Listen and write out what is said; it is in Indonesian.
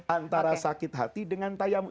antara sakit hati dengan tayam